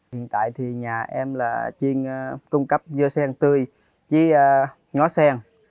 hiện tại nhà em là chuyên cung cấp dưa sen tươi với ngó sen